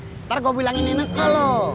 ntar gua bilangin ini neka loh